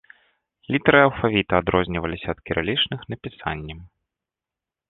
Літары алфавіта адрозніваліся ад кірылічных напісаннем.